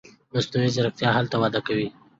مصنوعي ځیرکتیا هلته وده کوي.